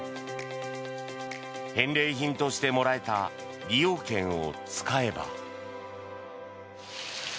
返礼品としてもらえた利用券を使えば。